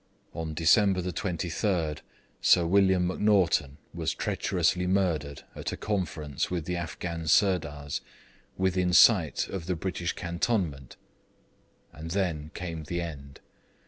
On December 23, Sir William McNaghten was treacherously murdered at a conference with the Afghan Sirdars, within sight of the British cantonment, and then came the end.